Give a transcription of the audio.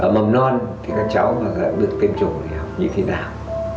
mầm non thì các cháu mà được tiêm chủng thì học như thế nào